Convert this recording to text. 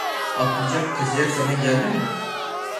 Atlayacak, kaçacak zaman geldi mi?